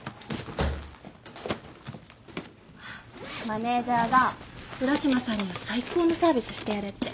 マネージャーが浦島さんには最高のサービスしてやれって。